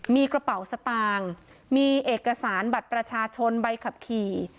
มีกระเป๋าสตางค์มีเอกสารบัตรประชาชนใบขับขี่